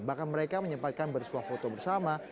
bahkan mereka menyempatkan bersuah foto bersama